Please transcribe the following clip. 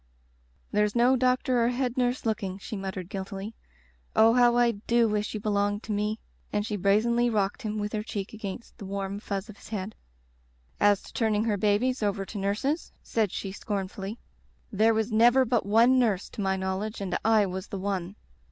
"There's no doctor or head nurse look ing/' she muttered guiltily. "Oh, how Ido wish you belonged to me," and she brazenly rocked him with her cheek against the warm fuzz of his head. "As to turning her babies over to nurses," said she scornfully, *' there was never but one nurse, to my knowledge, and I was the one.